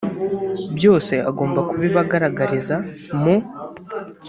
byose agomba kubibagaragariza mu